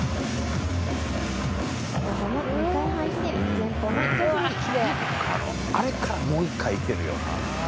よくあれからもう１回行けるよな。